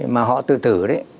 mà họ tự tử đấy